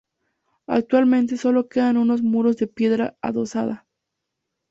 Actualmente sólo quedan unos muros de piedra adosada.